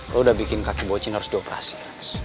lu udah bikin kaki bocin harus dioperasi